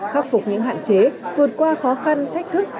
khắc phục những hạn chế vượt qua khó khăn thách thức